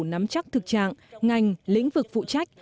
nắm chắc thực trạng ngành lĩnh vực phụ trách